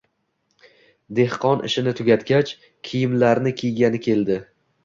Dehqon ishini tugatgach, kiyimlarini kiygani keldi